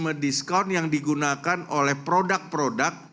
mekanisme diskon yang digunakan oleh produk produk